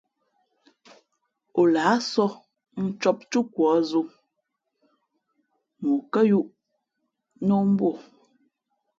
O lāh sɔ̌h ncǒp túkwa zō mα ǒ kάyūʼ nā o mbū o.